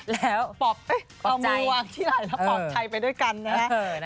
แล้วเอามือวางที่ไหลแล้วปลอบใจไปด้วยกันนะฮะ